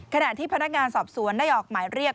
ขณะที่พนักงานสอบสวนได้ออกหมายเรียก